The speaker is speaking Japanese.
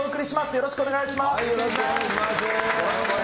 よろしくお願いします。